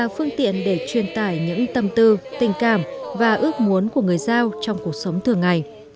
phương tiện để truyền tải những tâm tư tình cảm và ước muốn của người giao trong cuộc sống thường ngày